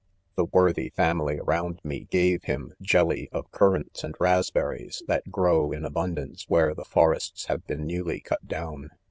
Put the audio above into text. £ The worthy family around me gave him jelly of currants and raspberries, that grow m abundance where the forests have been newly cut down.